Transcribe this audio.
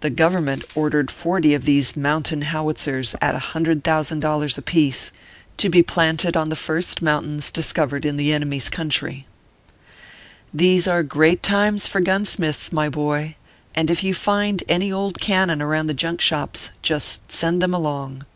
The Government ordered forty of these moun tain howitzers at a hundred thousand dollars apiece, 86 ORPHEUS C. KERR PAPERS. to be planted on the first mountains discovered in the enemy s country. These are great times for gunsmiths, my boy ; and if you find any old cannon around the junk shops, just send them along.